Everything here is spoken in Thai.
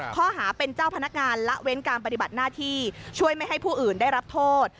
ข้อหาเป็นเจ้าพนักงานละเว้นการปฏิบัติหน้าที่ช่วยไม่ให้ผู้อื่นได้รับโทษ